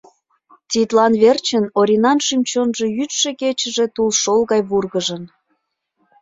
Тидлан верчын Оринан шӱм-чонжо йӱдшӧ-кечыже тулшол гай вургыжын.